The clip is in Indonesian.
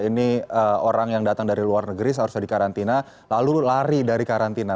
ini orang yang datang dari luar negeri seharusnya dikarantina lalu lari dari karantina